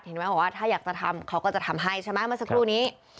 เห็นไหมบอกว่าถ้าอยากจะทำเค้าก็จะทำให้ชะมัดมาสักครู่นี้